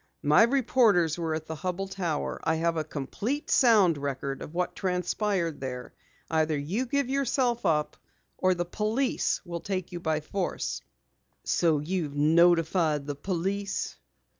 My reporters were at the Hubell Tower. I have a complete sound record of what transpired there. Either give yourself up, or the police will take you by force." "So you've notified the police?"